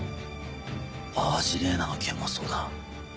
淡路れいなの件もそうだ。